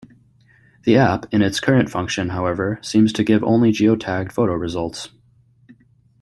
The app, in its current function, however, seems to give only geotagged photo results.